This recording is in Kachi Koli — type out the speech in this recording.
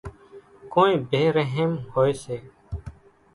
ڪونئين ڀيَ ريحم هوئيَ سي۔